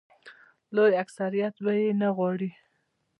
لوی اکثریت به یې نه غواړي.